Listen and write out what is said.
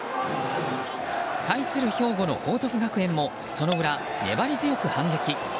対する兵庫の報徳学園もその裏、粘り強く反撃。